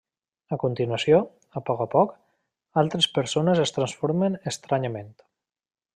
A continuació, a poc a poc, altres persones es transformen estranyament.